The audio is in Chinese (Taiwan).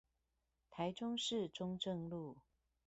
台中市中正路